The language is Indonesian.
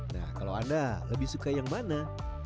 nah kalau anda lebih suka yang mana